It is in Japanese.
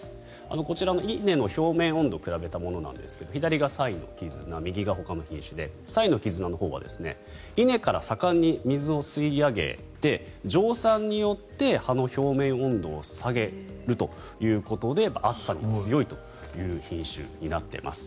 こちら、稲の表面温度を比べたものなんですが左が彩のきずな右がほかの品種で彩のきずなのほうは根から盛んに水を吸い上げて蒸散によって葉の表面温度を下げるということで暑さに強いという品種になっています。